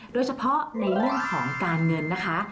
โดยเฉพาะในเรื่องของการเงินนะคะ